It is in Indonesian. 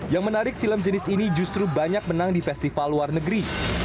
yang menarik film jenis ini justru banyak menang di festival luar negeri